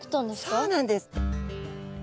そうなんです！